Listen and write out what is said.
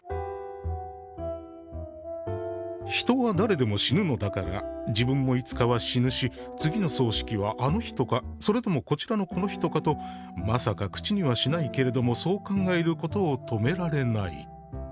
「人は誰でも死ぬのだから自分もいつかは死ぬし、次の葬式はあの人か、それともこちらのこの人かと、まさか口にはしないけれども、そう考えることをとめられない」。